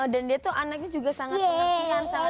dan dia tuh anaknya juga sangat penampilan sangat penampilan